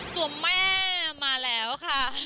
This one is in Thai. ตัวแม่มาแล้วค่ะ